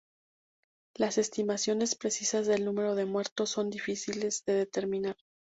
Las estimaciones precisas del número de muertos son difíciles de determinar.